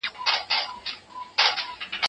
تاسو بايد د سياست پوهني په اړه پوره معلومات ولرئ.